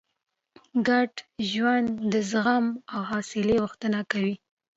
ګډ ژوند د زغم او حوصلې غوښتنه کوي.